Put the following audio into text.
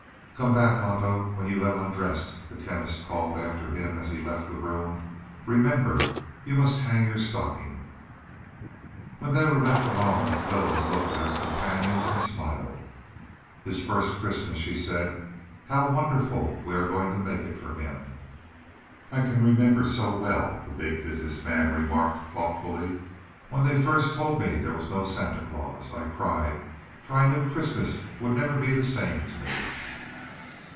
"Come back Loto, when you have undressed," the Chemist called after him, as he left the room. "Remember you must hang your stocking." When they were left alone Lylda looked at her companions and smiled. "His first Christmas," she said. "How wonderful we are going to make it for him." "I can remember so well," the Big Business Man remarked thoughtfully, "when they first told me there was no Santa Claus. I cried, for I knew Christmas would never be the same to me."